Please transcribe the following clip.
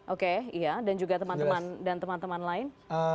oke iya dan juga teman teman lain